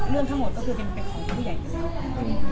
เรื่องทั้งหมดก็คือเป็นของตัวผู้ใหญ่ไปแล้ว